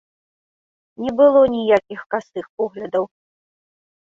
Не было ніякіх касых поглядаў.